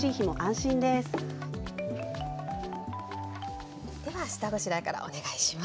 では下ごしらえからお願いします。